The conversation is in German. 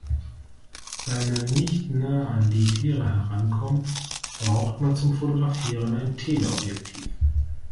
Weil man nicht nah an die Tiere herankommt, braucht man zum Fotografieren ein Teleobjektiv.